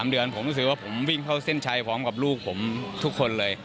๓เดือนผมรู้สึกว่าผมวิ่งเข้าเส้นชัยพร้อมกับลูกผมทุกคนเลย